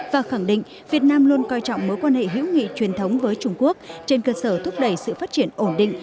và khẳng định việt nam luôn coi trọng mối quan hệ hữu nghị truyền thống với trung quốc trên cơ sở thúc đẩy sự phát triển ổn định